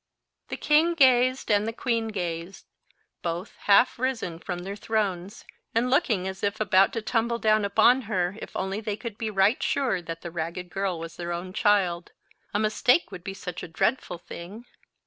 The king gazed and the queen gazed, both half risen from their thrones, and looking as if about to tumble down upon her, if only they could be right sure that the ragged girl was their own child. A mistake would be such a dreadful thing!